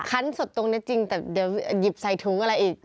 สดตรงนี้จริงแต่เดี๋ยวหยิบใส่ถุงอะไรอีก